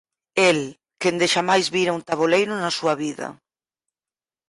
El, que endexamais vira un taboleiro na súa vida.